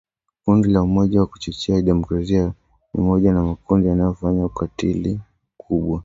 Kundi la Umoja wa Kuchochea Demokrasia ni moja ya makundi yanayofanya ukatili mkubwa